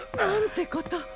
なんてこと！